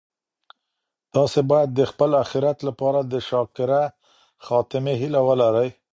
تاسي باید د خپل اخیرت لپاره د شاکره خاتمې هیله ولرئ.